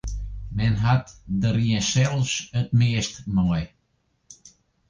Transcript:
Men hat der jinsels it meast mei.